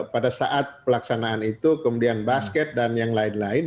pada saat pelaksanaan itu kemudian basket dan yang lain lain